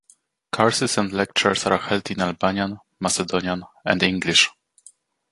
Courses and lectures are held in Albanian, Macedonian and English.